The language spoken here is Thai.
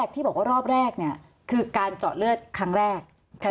ที่บอกว่ารอบแรกเนี่ยคือการเจาะเลือดครั้งแรก